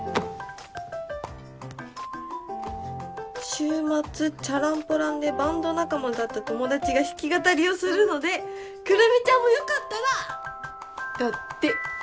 「週末ちゃらんぽらんでバンド仲間だった友達が弾き語りをするのでくるみちゃんもよかったら」だって！